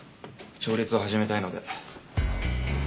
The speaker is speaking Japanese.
調律を始めたいので。